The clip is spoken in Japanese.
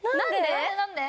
何で？